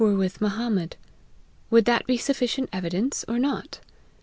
147 were with Mohammed, would that be sufficient evidence, or not